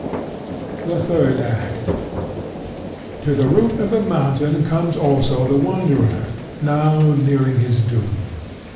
The Third Act To the root of the mountain comes also the Wanderer, now nearing his doom.